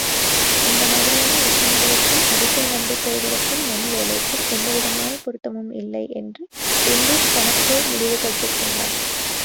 இந்த மாதிரியான விஷயங்களுக்கும் அதிசய நம்பிக்கைகளுக்கும் நம் வேலைக்கும் எந்தவிதமான பொருத்தமும் இல்லை என்று டுன்டுஷ் தனக்குள் முடிவுகட்டிக்கொண்டான்.